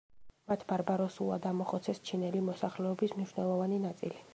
მათ ბარბაროსულად ამოხოცეს ჩინელი მოსახლეობის მნიშვნელოვანი ნაწილი.